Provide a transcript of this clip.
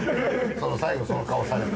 その最後その顔されて。